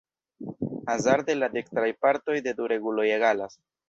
Hazarde la dekstraj partoj de du reguloj egalas.